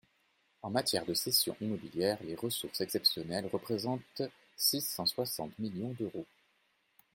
En matière de cession immobilière, les ressources exceptionnelles représentent six cent soixante millions d’euros.